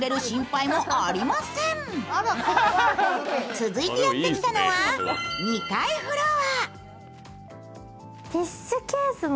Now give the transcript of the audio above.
続いてやってきたのは２階フロア。